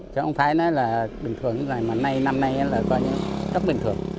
không phải là bình thường như thế này mà năm nay là rất bình thường